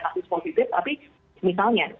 kasus positif tapi misalnya